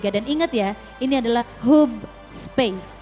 dan inget ya ini adalah hub space